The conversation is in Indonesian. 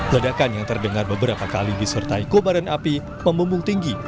ledakan yang terdengar beberapa kali disertai kobaran api memumbung tinggi